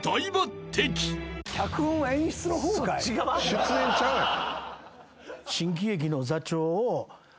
出演ちゃうやん。